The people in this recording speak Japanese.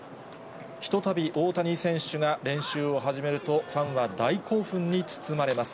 ひとたび大谷選手が練習を始めると、ファンは大興奮に包まれます。